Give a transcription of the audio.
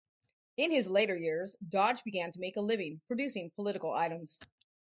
In his later years, Dodge began to make a living producing political items.